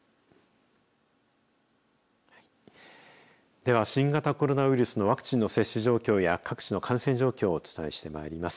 では、新型コロナウイルスのワクチンの接種状況や各地の感染状況をお伝えしてまいります。